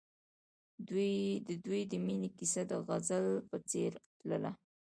د دوی د مینې کیسه د غزل په څېر تلله.